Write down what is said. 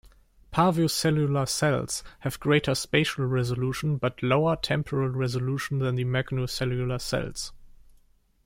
Parvocellular cells have greater spatial resolution, but lower temporal resolution, than the magnocellular cells.